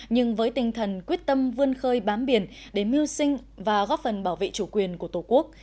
nhưng với tinh thần quyết tâm vươn khơi bám biển để mưu sinh và góp phần bảo vệ chủ quyền của tổ quốc